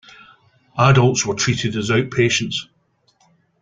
Adults were treated as outpatients.